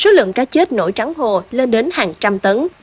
số lượng cá chết nổi trắng hồ lên đến hàng trăm tấn